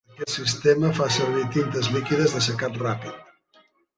Aquest sistema fa servir tintes líquides d'assecat ràpid.